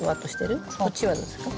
こっちはどうですか？